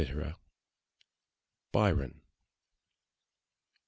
BYRON.